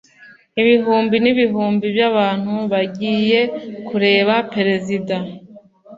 Ibihumbi n'ibihumbi by'abantu bagiye kureba Perezida.